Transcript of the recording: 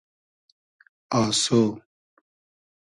آسۉ